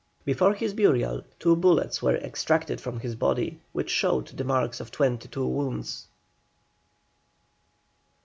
Before his burial two bullets were extracted from his body, which showed the marks of twenty two wounds.